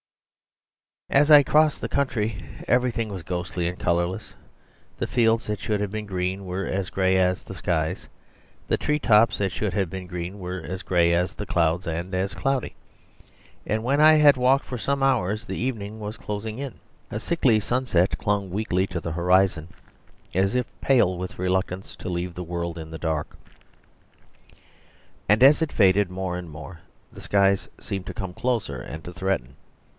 As I crossed the country everything was ghostly and colourless. The fields that should have been green were as grey as the skies; the tree tops that should have been green were as grey as the clouds and as cloudy. And when I had walked for some hours the evening was closing in. A sickly sunset clung weakly to the horizon, as if pale with reluctance to leave the world in the dark. And as it faded more and more the skies seemed to come closer and to threaten.